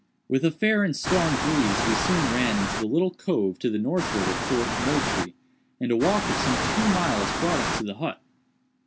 With a fair and strong breeze we soon ran into the little cove to the northward of Fort Moultrie, and a walk of some two miles brought us to the hut.